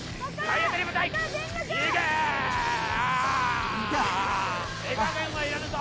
あっ手加減はいらぬぞ！